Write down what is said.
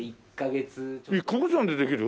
１カ月でできる？